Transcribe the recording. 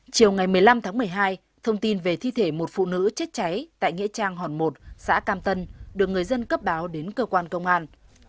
chiều ngày một mươi năm tháng một mươi hai thông tin về thi thể một phụ nữ chết cháy tại nghĩa trang hòn một xã cam tân được người dân cấp báo đến cơ quan công an